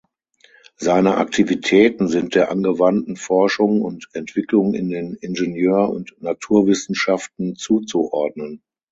Seine Aktivitäten sind der angewandten Forschung und Entwicklung in den Ingenieur- und Naturwissenschaften zuzuordnen.